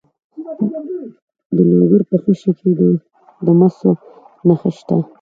د لوګر په خوشي کې د مسو نښې شته.